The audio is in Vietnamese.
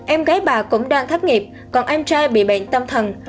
em gái bà cũng đang thất nghiệp còn em trai bị bệnh tâm thần